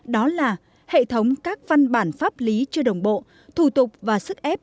đó là hệ thống các văn bản pháp lý chưa đồng bộ thủ tục và sức ép